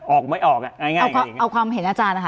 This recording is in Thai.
ออกไม่ออกอ่ะง่ายเอาความเห็นอาจารย์นะคะ